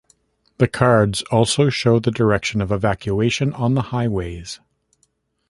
The cards also show the direction of evacuation on the highways.